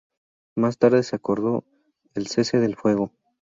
Más tarde se acordó el cese del fuego.